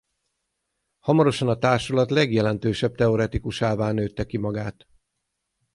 Hamarosan a társulat legjelentősebb teoretikusává nőtte ki magát.